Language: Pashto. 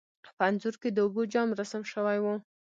په انځور کې د اوبو جام رسم شوی و.